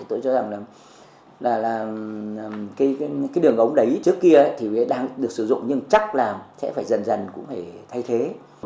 tôi cho rằng là cái đường ống đấy trước kia thì đang được sử dụng nhưng chắc là sẽ phải dần dần cũng phải thay thế